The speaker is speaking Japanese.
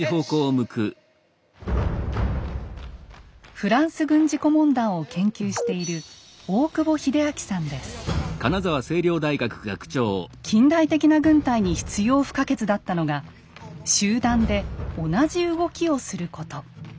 フランス軍事顧問団を研究している近代的な軍隊に必要不可欠だったのが集団で同じ動きをすること。